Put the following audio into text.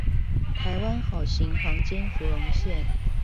台灣好行黃金福隆線